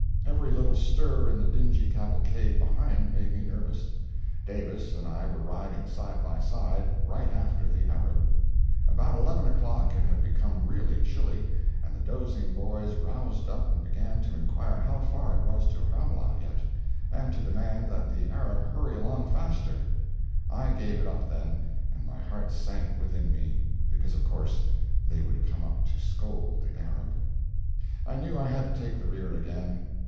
Every little stir in the dingy cavalcade behind made me nervous. Davis and I were riding side by side, right after the Arab. About 11 o'clock it had become really chilly, and the dozing boys roused up and began to inquire how far it was to Ramlah yet, and to demand that the Arab hurry along faster. I gave it up then, and my heart sank within me, because of course they would come up to scold the Arab. I knew I had to take the rear again.